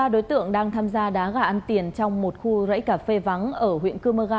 hai mươi ba đối tượng đang tham gia đá gà ăn tiền trong một khu rẫy cà phê vắng ở huyện cơ mơ ga